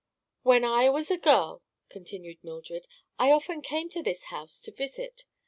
"When I was a girl," continued Mildred, "I often came to this house to visit.